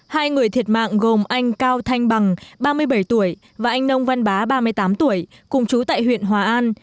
hai người thiệt mạng gồm anh cao thanh bằng ba mươi bảy tuổi và anh nông văn bá ba mươi tám tuổi cùng chú tại huyện hòa an